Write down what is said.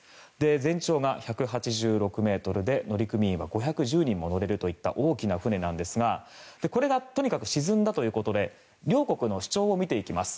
全長が１８６ｍで乗組員は５１０人も乗れるという大きな船なんですがこれが沈んだということで両国の主張を見ていきます。